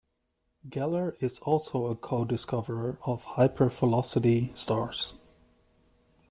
Geller is also a co-discoverer of hypervelocity stars.